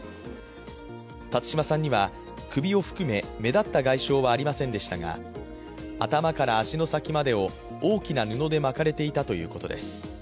辰島さんには、首を含め、目立った外傷はありませんでしたが頭から足の先までを大きな布で巻かれていたということです。